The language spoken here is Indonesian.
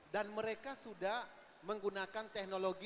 dan mereka sudah menggunakan produk